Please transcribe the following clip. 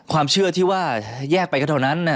ความเชื่อที่ว่าแยกไปก็เท่านั้น